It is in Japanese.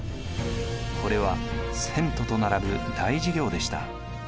これは遷都と並ぶ大事業でした。